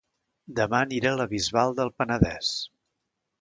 Dema aniré a La Bisbal del Penedès